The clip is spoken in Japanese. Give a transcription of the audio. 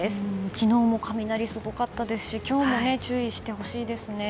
昨日も雷すごかったですし今日も注意してほしいですね。